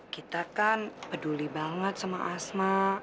kita kan peduli banget sama asma